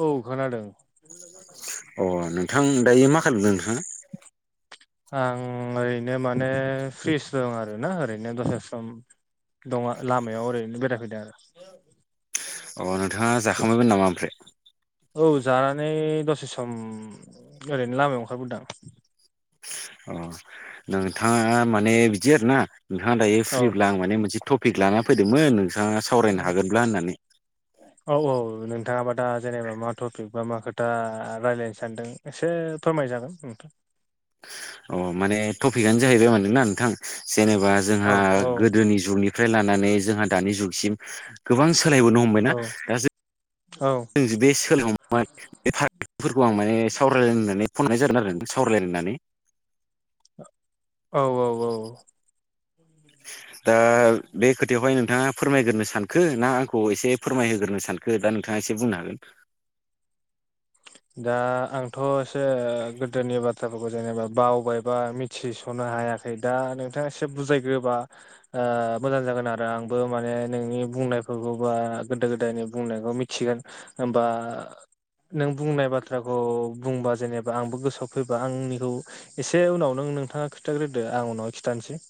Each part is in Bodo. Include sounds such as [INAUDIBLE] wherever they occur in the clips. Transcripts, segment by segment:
औ खोनादों अ नोंथां दायो मा खालामदों नोंथाङा? आं ओरैनो माने फ्रिस दं आरोना ओरैनो दसे सम। दङ लामायाव ओरैनो बेरायफैदों आरो अ नोंथाङा जाखांबायमोन नामा ओमफ्राय औ जानानै दसे सम ओरैनो लामायाव ओंखारबोदो आं अ नोंथाङा माने बिदि आरोना नोंथाङा दायो औ फ्रिब्ला आं म मोनसे पिक लाना फैदोंमोन नोंथाङा सावरायनो हागोनब्ला होननानै औ औ नोंथाङाबा दा जेनेबा मा टपिक बा मा खोथा रायज्लायनो सानदों एसे फोरमायजागोन नोंथां अ माने टपिकानो जाहैबाय मानोना नोंथां जेनेबा औ जोंहा औ गोदोनि जुगनि फ्राय लानानै जोंहा दानि जुगसिम गोबां सोलायबोनो हम औ औ [UNINTELLIGIBLE] बेफार फोरखौ आं माने सावरायलायनो होननानै फन हरनाय जादोंमोन आरो सावरायलायनो होननानै औ औ औ दा बे खोथायावहाय नोंथाङा फोरमायग्रोनो सानखो ना आंखौ एसे फोरमायहोग्रोनो सानखो दा नोंथाङा एसे बुंनो हागोन दा आंथ एसे गोदोनि बाथ्राफोरखौ जेनेबा बावबायबा मि थिसनो हायाखै दा नोंथाङा एसे बुजायग्रोबा आ मोजां जागोन आरो आंबो माने नोंनि बुंनायफोरखौ बा गोदो गोदायनि बुंनायखौ मिथिगोन होमबा नों बुंनाय बाथ्राखौ बुंबा जेनेबा आंबो गोसोआव फैबा आंनिखौ एसे उनाव नों नोंथाङा खिथाग्रोदो आं उनाव खिथानोसै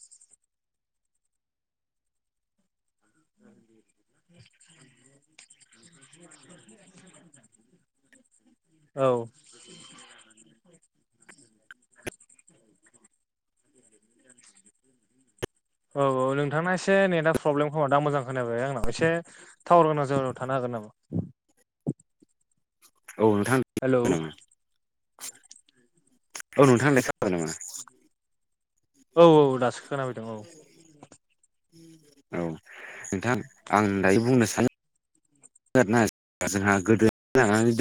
[INAUDIBLE] औ औ औ नोंथांना एसे नेटआ प्रब्लेम खोमा दां मोजां खोनाफैयाखै आंनाव एसे थावार गोनां जायगायाव थानो हागोन नामा औ नोंथां हेलौ नामा औ नोंथां [UNINTELLIGIBLE] नामा औ औ दासो खोनादों औ उम औ नोंथां आं दायो बुंनो सानो [UNINTELLIGIBLE] जोंहा गोदो [UNINTELLIGIBLE] लानानै दोन